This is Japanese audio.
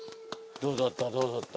どうだった？